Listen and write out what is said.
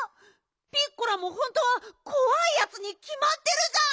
ピッコラもほんとはこわいやつにきまってるじゃん！